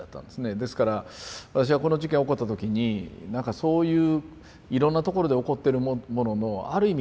ですから私はこの事件起こった時になんかそういういろんなところで起こってるもののある意味